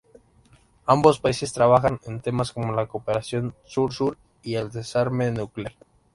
Ambos países trabajan en temas como la cooperación Sur-Sur y el desarme nuclear.